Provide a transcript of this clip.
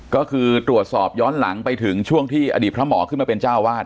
ก็คือตรวจสอบย้อนหลังไปถึงช่วงที่อดีตพระหมอขึ้นมาเป็นเจ้าวาด